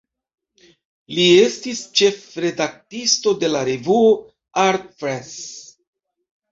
Li estis ĉefredaktisto de la revuo "Art Press".